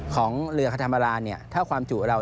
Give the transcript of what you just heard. ของเรือคันธรรมราถ้าความจุเรา